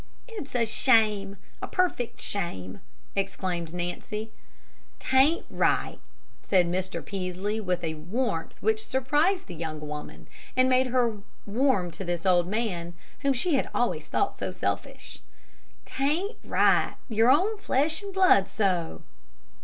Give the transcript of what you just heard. "It's a shame, a perfect shame!" exclaimed Nancy. "'T ain't right," said Mr. Peaslee, with a warmth which surprised the young woman, and made her warm to this old man, whom she had always thought so selfish. "'T ain't right your own flesh and blood so."